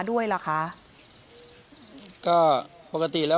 ๓๖ลุงพลแม่ตะเคียนเข้าสิงหรือเปล่า